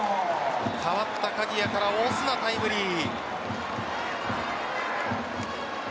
代わった鍵谷からオスナ、タイムリー。